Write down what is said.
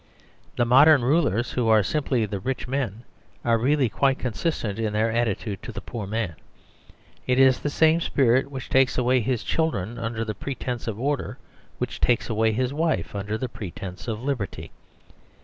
The modern rulers, who are simply the rich men, are really quite consistent in their attitude to the poor man. The Superstition of Divorce 87 It is the same spirit which takes away his children under the pretence of order, which takes away his wife under the pretence of lib erty.